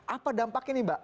apa dampak ini mbak